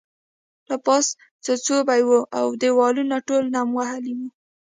له پاسه څڅوبی وو او دیوالونه ټول نم وهلي وو